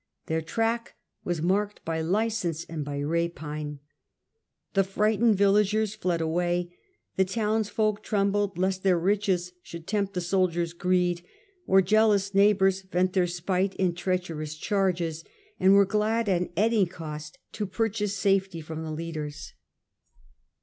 Their track was marked by license and by rapine. The frightened villagers fled away; the townsfolk trembled lest their riches should tempt the soldiers' greed, or jealous neigh bours vent their spite in treacherous charges, and were glad at any cost to purchase safety from the leaders. A.D. 69. Vitellius.